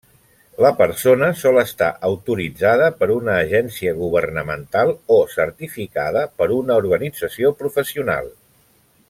La persona sol estar autoritzada per una agència governamental o certificada per una organització professional.